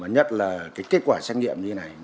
nhất là kết quả xét nghiệm như thế này